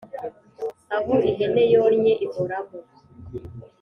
Aho ihene yonnye ihoramo.